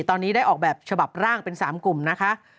ตอนนี้ได้ออกแบบฉบับร่างเป็น๓กลุ่มนะคะ